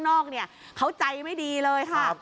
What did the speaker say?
โอ้โฮโอ้โฮโอ้โฮ